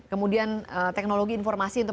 kemudian teknologi informasi untuk